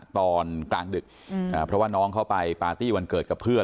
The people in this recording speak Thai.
ตอนกลางดึกเพราะว่าน้องเขาไปปาร์ตี้วันเกิดกับเพื่อน